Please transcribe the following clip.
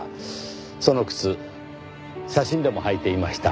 その靴写真でも履いていました。